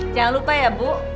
jangan lupa ya bu